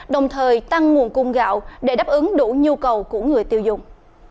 đồng thời tăng nguồn cung gạo để đáp ứng đủ nhu cầu của người tiêu dùng